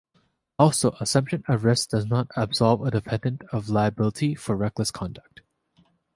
Also, assumption of risk does not absolve a defendant of liability for reckless conduct.